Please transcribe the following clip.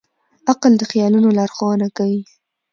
عقل د خیال لارښوونه کوي.